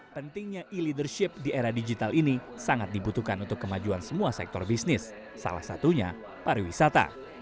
pentingnya e leadership di era digital ini sangat dibutuhkan untuk kemajuan semua sektor bisnis salah satunya pariwisata